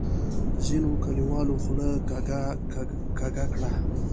ځینو کلیوالو خوله کږه کړه.